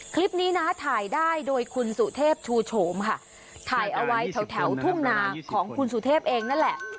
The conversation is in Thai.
คลิปนี้นะถ่ายได้โดยคุณสุเทพชูโฉมค่ะถ่ายเอาไว้แถวแถวทุ่งนาของคุณสุเทพเองนั่นแหละ